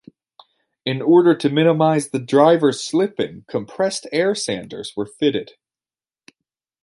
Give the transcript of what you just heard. In order to minimise the drivers slipping, compressed air sanders were fitted.